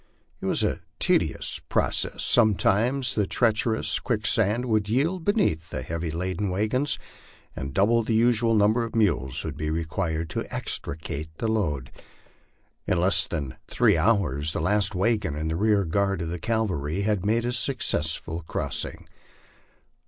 It was a tedious process; sometimes the treacher ous quicksand would yield beneath the heavily laden wagons, and double the usual number of mules would be required to extricate the load. In less than three hours the last wagon and the rear guard of the cavalry had made a suc cessful crossing.